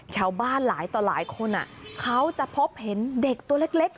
ชาวบ้านหลายต่อหลายคนเขาจะพบเห็นเด็กตัวเล็ก